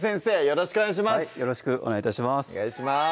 よろしくお願いします